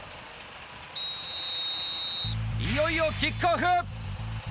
いよいよキックオフ！